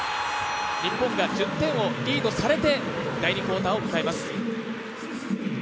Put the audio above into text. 日本が１０点をリードされて第２クオーターを迎えます。